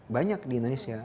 banyak di indonesia